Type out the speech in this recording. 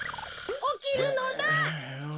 おきるのだ。